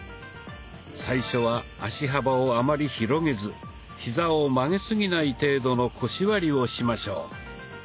最初は足幅をあまり広げずヒザを曲げすぎない程度の腰割りをしましょう。